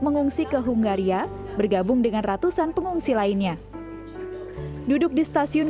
mengungsi ke hungaria bergabung dengan ratusan pengungsi lainnya duduk di stasiun